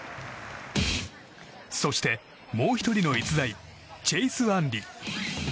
そして、もう１人の逸材チェイス・アンリ。